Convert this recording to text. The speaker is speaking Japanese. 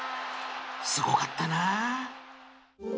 すごかったな